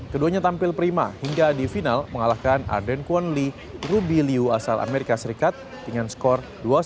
keduanya tampil prima hingga di final mengalahkan arden kwon lee rubiliu asal amerika serikat dengan skor dua satu sembilan belas dua satu dua belas